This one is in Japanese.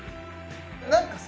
何かさ